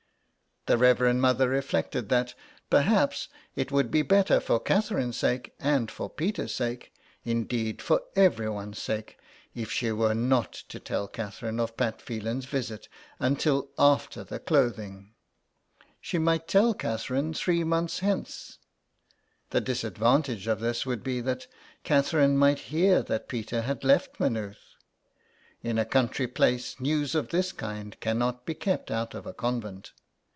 The Reverend Mother reflected that perhaps it would be better for Catherine's sake and for Peter's sake — indeed, for everyone's sake — if she were not to 142 THE EXILE. tell Catherine of Pat Phelan's visit until after the clothing. She might tell Catherine three months hence. The disadvantage of this would be that Catherine might hear that Peter had left Maynooth. In a country place news of this kind cannot be kept out of a convent.